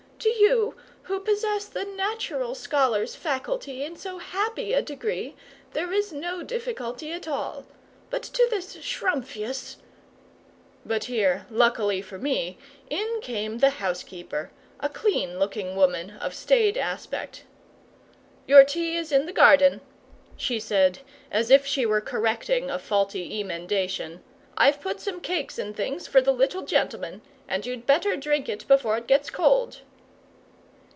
"To you, who possess the natural scholar's faculty in so happy a degree, there is no difficulty at all. But to this Schrumpffius " But here, luckily for me, in came the housekeeper, a clean looking woman of staid aspect. "Your tea is in the garden," she said, as if she were correcting a faulty emendation. "I've put some cakes and things for the little gentleman; and you'd better drink it before it gets cold."